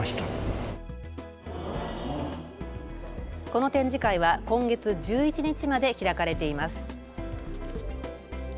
この展示会は今月１１日まで開かれています。